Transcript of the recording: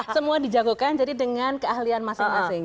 semua dijagokan jadi dengan keahlian masing masing